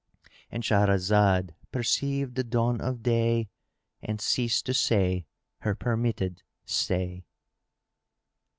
——And Shahrazad perceived the dawn of day and ceased to say her permitted say.